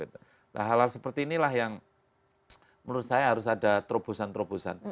nah hal hal seperti inilah yang menurut saya harus ada terobosan terobosan